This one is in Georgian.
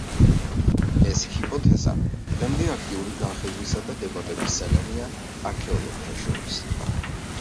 ეს ჰიპოთეზა დღემდე აქტიური განხილვისა და დებატების საგანია არქეოლოგთა შორის.